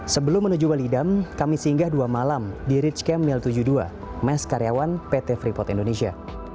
sebelum menuju balidam kami singgah dua malam di ritch camp mil tujuh puluh dua mes karyawan pt freeport indonesia